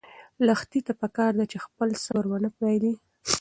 لښتې ته پکار ده چې خپل صبر ونه بایلي.